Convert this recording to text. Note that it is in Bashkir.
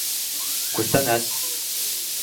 - Күстәнәс.